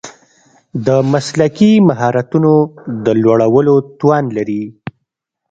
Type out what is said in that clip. د مسلکي مهارتونو د لوړولو توان لري.